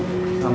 terima kasih dok